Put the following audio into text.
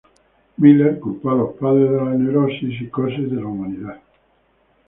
Miller culpó a los padres de las neurosis y psicosis de la humanidad.